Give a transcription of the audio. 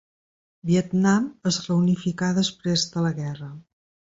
Vietnam es reunificà després de la guerra.